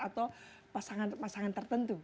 atau pasangan pasangan tertentu